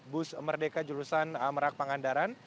bus merdeka jurusan merak pangandaran